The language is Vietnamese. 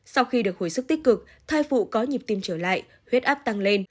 sau khi được hồi sức tích cực thai phụ có nhịp tim trở lại huyết áp tăng lên